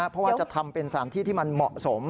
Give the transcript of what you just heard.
เพราะว่าจะทำเป็นสถานที่ที่มันเหมาะสม